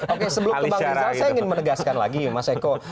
oke sebelum ke bang rizal saya ingin menegaskan lagi mas eko